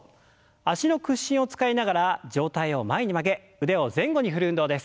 脚の屈伸を使いながら上体を前に曲げ腕を前後に振る運動です。